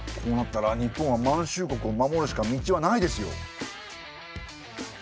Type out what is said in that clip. こうなったら日本は満州国を守るしか道はないですよ。